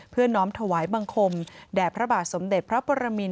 น้อมถวายบังคมแด่พระบาทสมเด็จพระปรมิน